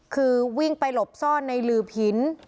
คือวิ่งไปหลบซ่อนในหลือหิน